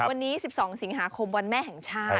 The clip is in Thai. วันนี้๑๒สิงหาคมวันแม่แห่งชาติ